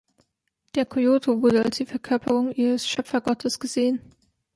Der Kojote wurde als die Verkörperung ihres Schöpfergottes gesehen.